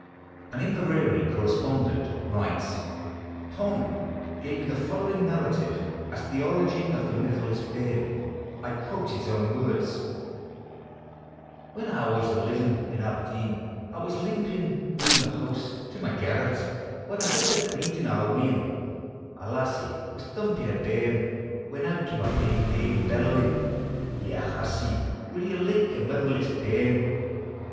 An Inverary corresponds nt writes :" Thorn gave me the following narrative as to the origin of 'The Mitherless' Bairn'; I quote Ins own words. ' When I was livin' in Aberdeen, I was limpin' roun' the house to my garret, when I heard thegreetin'o'a wean. A lassie was thumpin' a hairn, when out cam a hig dame, hellowin', " Yehussie, will ye lick a mitherless hairn